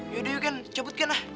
yaudah yuk ken cabut ken ah